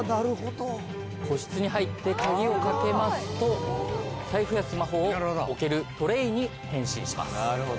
個室に入って鍵を掛けますと財布やスマホを置けるトレイに変身します。